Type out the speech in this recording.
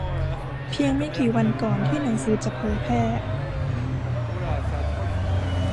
เพียงไม่กี่วันก่อนที่หนังสือจะเผยแพร่